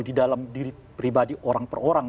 di dalam diri pribadi orang per orang